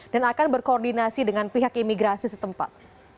dan akan berkoordinasi dengan pihak imigrasi setempat